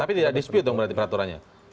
tapi tidak dispute dong berarti peraturannya